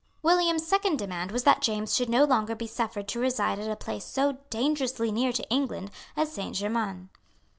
William's second demand was that James should no longer be suffered to reside at a place so dangerously near to England as Saint Germains.